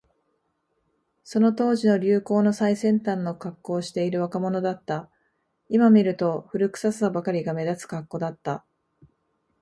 その当時の流行の最先端のカッコをしている若者だった。今見ると、古臭さばかりが目立つカッコだった。